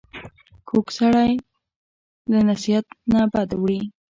کوږ سړی له نصیحت نه بد وړي